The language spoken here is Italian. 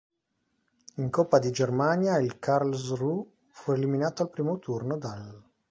In coppa di Germania il Karlsruhe fu eliminato al primo turno dall'.